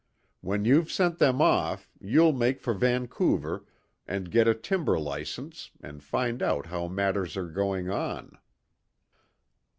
When you've sent them off, you'll make for Vancouver, and get a timber licence and find out how matters are going on."